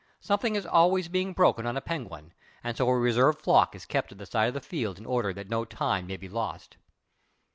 Something is always being broken on a Penguin, and so a reserve flock is kept at the side of the field in order that no time may be lost.